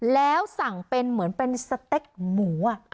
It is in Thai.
แล้วสั่งเป็นเหมือนเป็นสเต็กหมู